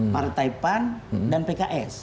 partai pan dan pks